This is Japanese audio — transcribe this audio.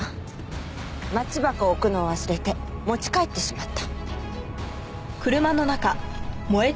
マッチ箱を置くのを忘れて持ち帰ってしまった。